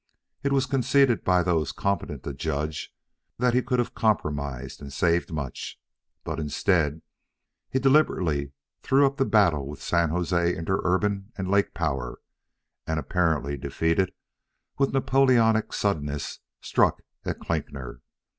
It was conceded by those competent to judge that he could have compromised and saved much. But, instead, he deliberately threw up the battle with San Jose Interurban and Lake Power, and, apparently defeated, with Napoleonic suddenness struck at Klinkner.